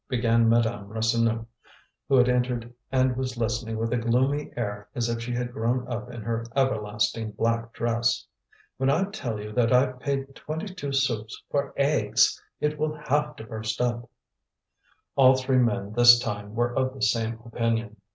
began Madame Rasseneur, who had entered and was listening with a gloomy air as if she had grown up in her everlasting black dress. "When I tell you that I've paid twenty two sous for eggs! It will have to burst up." All three men this time were of the same opinion.